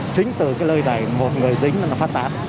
chính từ cái lời này một người dính là nó phát tát